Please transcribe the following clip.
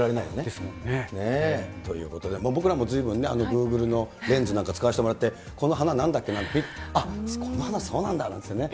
ですもんね。ということで、僕らもずいぶん、グーグルのレンズなんか使わせてもらって、この花なんだっけななんて、この花、そうなんだなんてね。